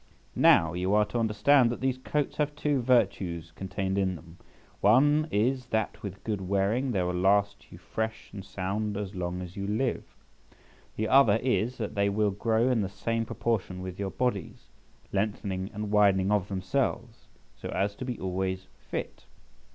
Now, you are to understand that these coats have two virtues contained in them; one is, that with good wearing they will last you fresh and sound as long as you live; the other is, that they will grow in the same proportion with your bodies, lengthening and widening of themselves, so as to be always fit.